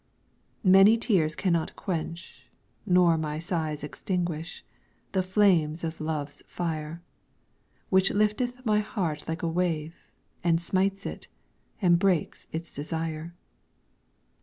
Many tears cannot quench, nor my sighs extinguish, the flames of love's fire, Which lifteth my heart like a wave, and smites it, and breaks its desire.